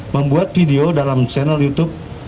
membuat video dalam channel youtube